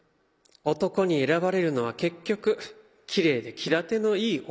男に選ばれるのは結局きれいで気立てのいい女。